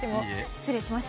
失礼しました。